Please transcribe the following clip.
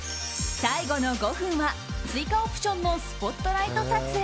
最後の５分は追加オプションのスポットライト撮影。